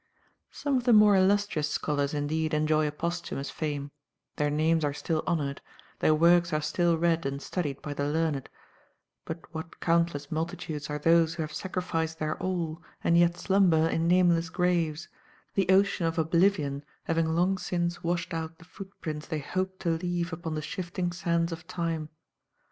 Some of the more illustrious scholars indeed enjoy a posthumous fame, their names are still honoured; their works are still read and studied by the learned, but what countless multitudes are those who have sacrificed their all, and yet slumber in nameless graves, the ocean of oblivion having long since washed out the footprints they hoped to leave upon the shifting sands of Time!